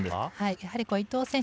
やはり伊藤選手